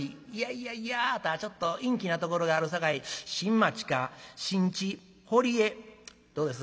いやいやあぁたはちょっと陰気なところがあるさかい新町か新地堀江どうです？